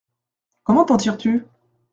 Comment t’en tires-tu ?